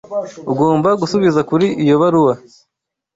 Ugomba gusubiza kuri iyo baruwa.